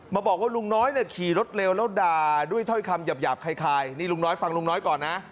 บอกว่าลุงน้อยเนี่ยขี่รถเร็วแล้วด่าด้วยถ้อยคำหยาบคล้ายนี่ลุงน้อยฟังลุงน้อยก่อนนะ